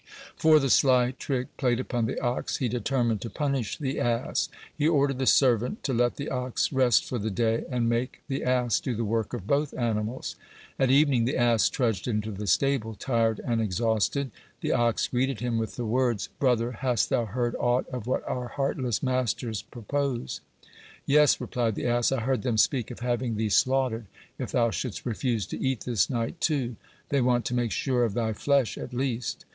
For the sly trick played upon the ox, he determined to punish the ass. He ordered the servant to let the ox rest for the day, and make the ass do the work of both animals. At evening the ass trudged into the stable tired and exhausted. The ox greeted him with the words: "Brother, hast thou heard aught of what our heartless masters purpose?" "Yes," replied the ass, "I heard them speak of having thee slaughtered, if thou shouldst refuse to eat this night, too. They want to make sure of thy flesh at least."